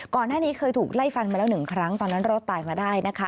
ก่อนหน้านี้เคยถูกไล่ฟันมาแล้วหนึ่งครั้งตอนนั้นรอดตายมาได้นะคะ